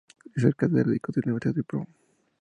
Es catedrático de la Universidad de Brown.